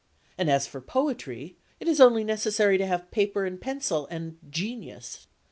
And as for poetry, it is only necessary to have pencil and paper and—genius.